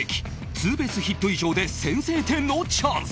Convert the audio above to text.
ツーベースヒット以上で先制点のチャンス